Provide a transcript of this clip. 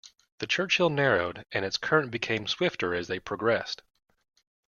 The Churchill narrowed and its current became swifter as they progressed.